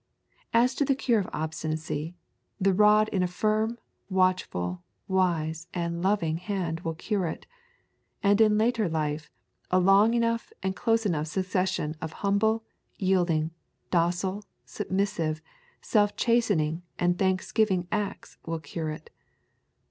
As to the cure of obstinacy, the rod in a firm, watchful, wise, and loving hand will cure it. And in later life a long enough and close enough succession of humble, yielding, docile, submissive, self chastening and thanksgiving acts will cure it.